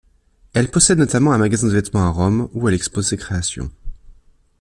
Elle possède notamment un magasin de vêtements à Rome où elle expose ses créations.